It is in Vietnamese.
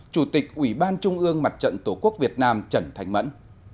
chủ tịch ủy ban trung ương mặt trận tổ quốc việt nam trần thanh mẫn